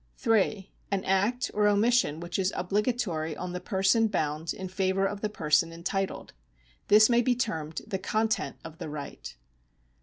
(3) An act or omission which is obligatory on the person bound in favour of the person entitled. This may be termed the content of the right.